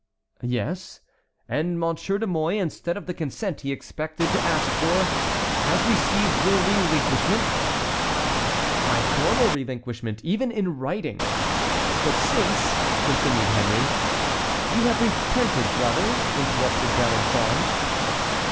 "Yes; and Monsieur de Mouy, instead of the consent he expected to ask for, has received your relinquishment?" "My formal relinquishment—even in writing. But since," continued Henry. "You have repented, brother?" interrupted D'Alençon.